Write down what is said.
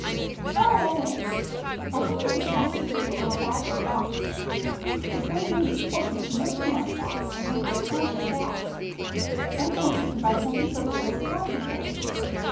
"Not always. I think it is nice to keep a little bag or box. A great many people keep a missionary box and put their tenth in that. Sometimes you can buy something for very poor people.